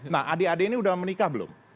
nah adik adik ini sudah menikah belum